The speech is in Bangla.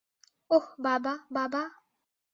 ওহ, বাবা, বাবা!